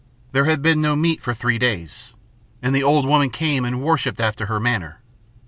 There had been no meat for three days. And the old woman came and worshipped after her manner.